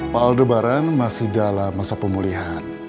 pak aldebaran masih dalam masa pemulihan